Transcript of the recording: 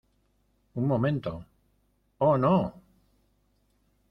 Un momento. ¡ oh, no!